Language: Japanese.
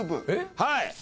はい。